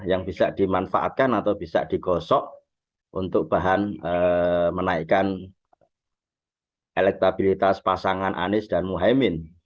yang bisa dimanfaatkan atau bisa digosok untuk bahan menaikkan elektabilitas pasangan anies dan muhaymin